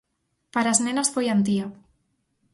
Para as nenas foi Antía.